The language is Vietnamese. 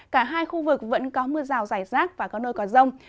cả hai khu vực vẫn có mưa rào rải rác và có nơi có rông